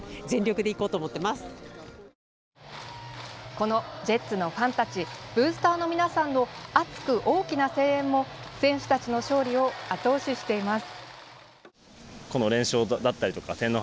このジェッツのファンたちブースターの皆さんの熱く大きな声援も、選手たちの勝利を後押ししています。